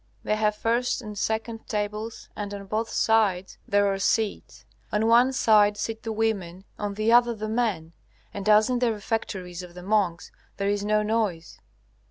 They have first and second tables, and on both sides there are seats. On one side sit the women, on the other the men; and as in the refectories of the monks, there is no noise.